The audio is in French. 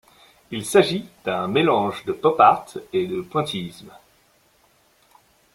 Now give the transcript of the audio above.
Il s’agit d’un mélange de Pop Art et de Pointillisme.